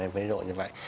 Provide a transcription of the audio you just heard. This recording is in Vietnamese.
ví dụ như vậy